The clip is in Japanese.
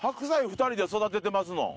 ２人で育ててますのん？